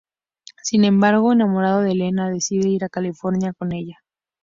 Sin embargo, enamorado de Elena, decide ir a California con ella.